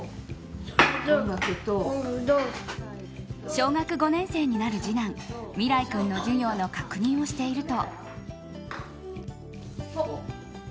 小学５年生になる次男・美良生君の授業の確認をしていると。